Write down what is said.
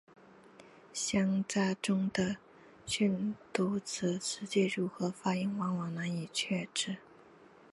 乡札中的训读字实际如何发音往往难以确知。